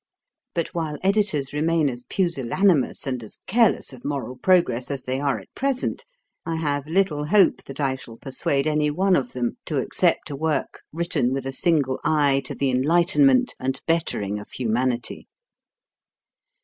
But while editors remain as pusillanimous and as careless of moral progress as they are at present, I have little hope that I shall persuade any one of them to accept a work written with a single eye to the enlightenment and bettering of humanity.